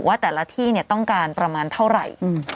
ว่าแต่ละที่ต้องการประมาณเท่าไหร่